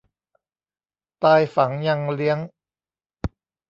ตายฝังยังเลี้ยง